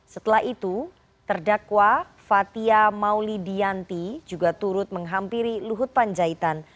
setelah itu terdakwa fathia mauli dianti juga turut menghampiri luhut panjaitan